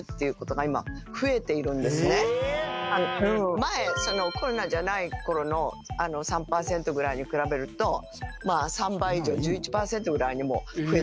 前そのコロナじゃない頃の３パーセントぐらいに比べると３倍以上１１パーセントぐらいにもう増えてますよね。